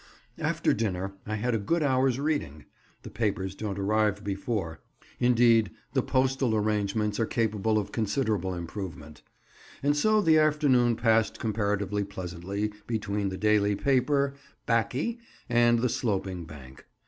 After dinner I had a good hour's reading (the papers don't arrive before; indeed, the postal arrangements are capable of considerable improvement), and so the afternoon passed comparatively pleasantly, between the daily paper, 'baccy, and the sloping bank.